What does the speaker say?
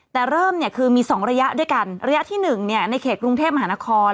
แต่เริ่มเนี่ยคือมี๒ระยะด้วยกันระยะที่๑ในเขตกรุงเทพมหานคร